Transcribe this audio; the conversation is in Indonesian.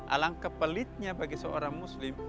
alang kepelitnya bagi seorang muslim